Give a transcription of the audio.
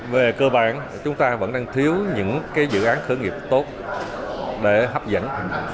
về cơ bản chúng ta vẫn đang thiếu những dự án khởi nghiệp tốt để hấp dẫn